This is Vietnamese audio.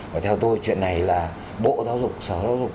và theo tôi chuyện này là bộ giáo dục sở giáo dục